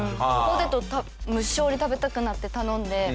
ポテト無性に食べたくなって頼んで。